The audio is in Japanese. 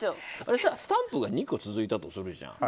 スタンプが２個続いたとするじゃん。